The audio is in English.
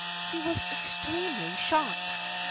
He was extremely shocked.